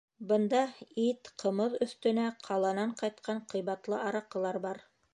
Бында ит, ҡымыҙ өҫтөнә ҡаланан ҡайтҡан ҡыйбатлы араҡылар бар.